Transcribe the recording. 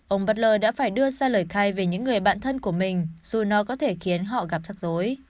ông butler đã phải đưa ra lời khai về những người bạn thân của mình dù nó có thể khiến họ gặp thắc dối